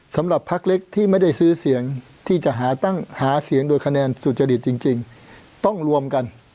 สำหรับพักเล็กที่ไม่ได้ซื้อเสียงที่จะหาเสียงโดยคะแนนสุจริตจริงต้องรวมกัน